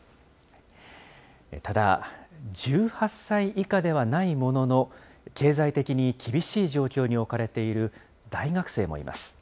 ただ、１８歳以下ではないものの、経済的に厳しい状況に置かれている大学生もいます。